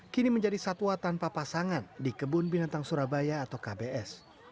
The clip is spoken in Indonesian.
kini menjadi satwa tanpa pasangan di kebun binatang surabaya atau kbs